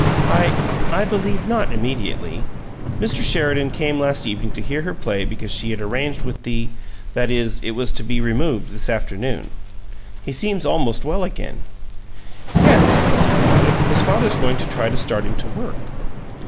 "I I believe not immediately. Mr. Sheridan came last evening to hear her play because she had arranged with the that is, it was to be removed this afternoon. He seems almost well again." "Yes." Sibyl nodded. "His father's going to try to start him to work."